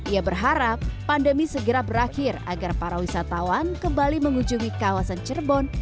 ia berharap pandemi segera berakhir agar para wisatawan kembali mengunjungi kawasan cirebon